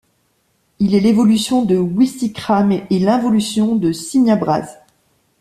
Il est l'évolution de Ouisticram et l'involution de Simiabraz.